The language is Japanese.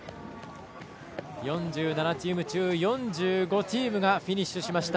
４７チーム中、４５チームがフィニッシュしました。